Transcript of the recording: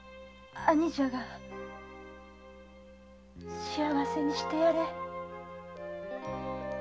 兄者が幸せにしてやれ。